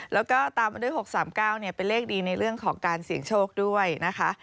แล้วก็ตามมาด้วย๖๓๙เป็นเลขดีในเรื่องของการเสี่ยงโชคด้วยนะคะ